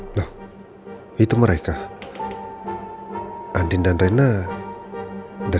panas tempat berjalan chatting disitu inget gua